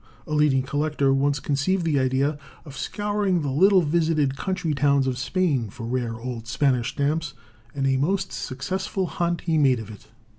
A leading collector once conceived the idea of scouring the little visited country towns of Spain for rare old Spanish stamps, and a most successful hunt he made of it.